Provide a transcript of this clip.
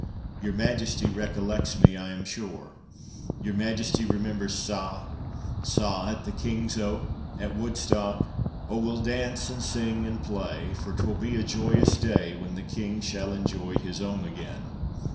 Your Majesty recollects me, I am sure. Your Majesty remembers, sa—sa—at the King's Oak, at Woodstock?— 'O, we'll dance, and sing, and play, For 'twill be a joyous day When the King shall enjoy his own again.